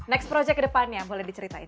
next project ke depannya boleh diceritain